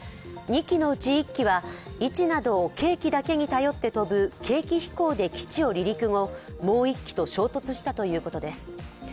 ２機のうち１機は位置などを計器だけに頼って飛ぶ計器飛行で基地を離陸後もう１機と衝突したということです